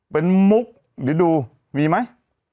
เป็นมุกนิดนึงมีไหม